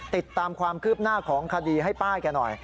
ติดตามความคืบหน้าของคดีให้ป้าแกหน่อย